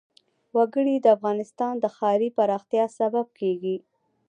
وګړي د افغانستان د ښاري پراختیا سبب کېږي.